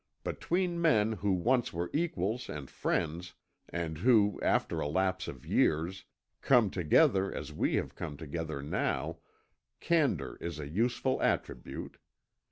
Between men who once were equals and friends, and who, after a lapse of years, come together as we have come together now, candour is a useful attribute.